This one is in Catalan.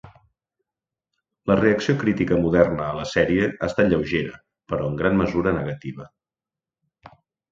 La reacció crítica moderna a la sèrie ha estat lleugera, però en gran mesura negativa.